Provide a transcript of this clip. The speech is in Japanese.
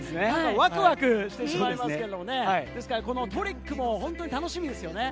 ワクワクしてしまいますけれども、このトリックも本当に楽しみです